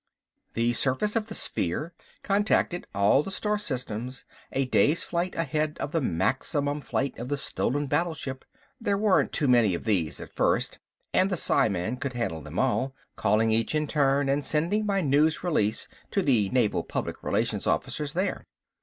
The surface of the sphere contacted all the star systems a days flight ahead of the maximum flight of the stolen battleship. There weren't too many of these at first and the psiman could handle them all, calling each in turn and sending by news releases to the Naval Public Relations officers there.